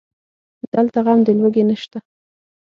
دلته غم د لوږې نشته